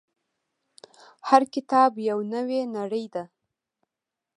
• هر کتاب یو نوی نړۍ ده.